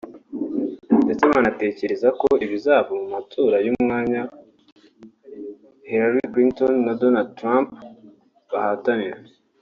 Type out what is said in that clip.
ndetse banatekereza ko ibizava mu matora y’umwanya Hillary Clinton na Donald Trump bahatanira